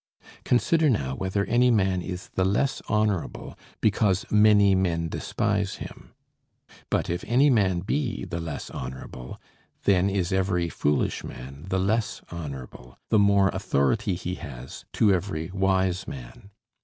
Consider now, whether any man is the less honorable because many men despise him. But if any man be the less honorable, then is every foolish man the less honorable, the more authority he has, to every wise man.